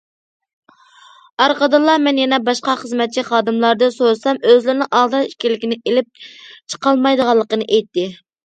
ئارقىدىنلا مەن يەنە باشقا خىزمەتچى خادىملاردىن سورىسام، ئۆزلىرىنىڭ ئالدىراش ئىكەنلىكىنى، ئېلىپ چىقالمايدىغانلىقىنى ئېيتتى.